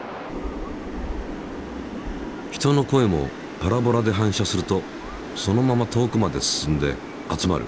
人の声もパラボラで反射するとそのまま遠くまで進んで集まる。